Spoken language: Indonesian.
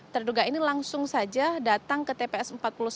terduga ini langsung saja datang ke tps empat puluh satu